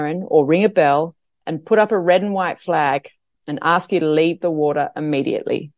dan meminta anda untuk meninggalkan air dengan segera